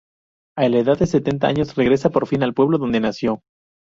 A la edad de sesenta años, regresa por fin al pueblo donde nació.